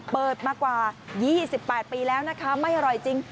เปิดมากว่า๒๘ปีแล้วนะคะไม่อร่อยจริง